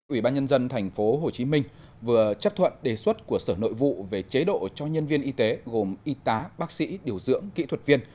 ubnd tp hcm vừa chấp thuận đề xuất của sở nội vụ về chế độ cho nhân viên y tế gồm y tá bác sĩ điều dưỡng kỹ thuật viên